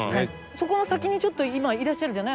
そこの先にちょっと今いらっしゃるじゃない？